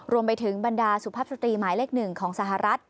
รวมไปถึงบรรดาสุภาพสตรีหมายเลขหนึ่งของสหรัฐ